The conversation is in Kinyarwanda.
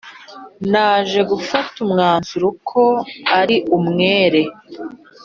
naje gufata umwanzuro ko ari umwere.